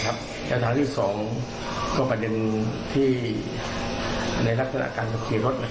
แนวทางที่๒ก็ประเด็นที่ในลักษณะการขับขี่รถ